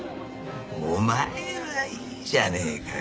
お前はいいじゃねえかよ。